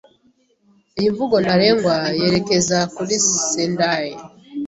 Iyi mvugo ntarengwa yerekeza kuri Sendai.